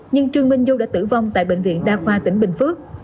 nhưng trương minh du đã tử vong tại bệnh viện đa khoa tỉnh bình phước